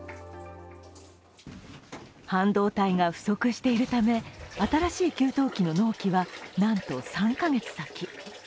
半導体が不足しているため、新しい給湯器の納期は、なんと３カ月先。